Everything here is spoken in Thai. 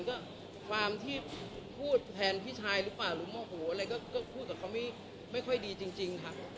ก็ความที่พูดแทนพี่ชายหรือเปล่าหรือโมโหอะไรก็พูดกับเขาไม่ค่อยดีจริงค่ะ